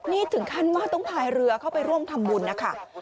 นี่ถึงขั้นว่าต้องพายเรือเข้าไปร่วมทำบุญนะคะ